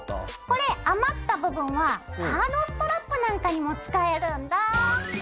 これ余った部分はカードストラップなんかにも使えるんだあ。